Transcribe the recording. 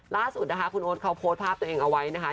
ล่าสุดนะคะคุณโอ๊ตเขาโพสต์ภาพตัวเองเอาไว้นะคะ